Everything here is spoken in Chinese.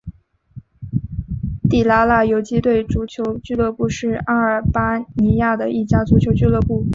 地拉那游击队足球俱乐部是阿尔巴尼亚的一家足球俱乐部。